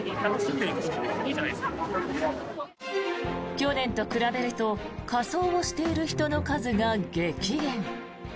去年と比べると仮装をしている人の数が激減。